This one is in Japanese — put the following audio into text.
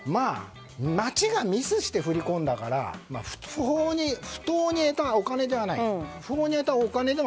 町がミスして振り込んだから不当に得たお金ではないでしょと。